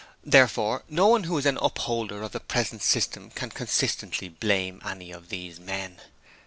Therefore no one who is an upholder of the present system can consistently blame any of these men.